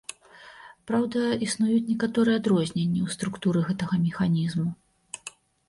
Праўда, існуюць некаторыя адрозненні ў структуры гэтага механізму.